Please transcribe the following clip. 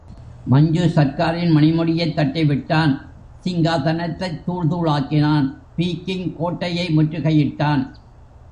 மஞ்சு சர்க்காரின் மணிமுடியைத் தட்டிவிட்டான், சிங்காதனத்தைத் தூள் தூளாக்கினன், பீகிங் கோட்டையை முற்றுகையிட்டான்.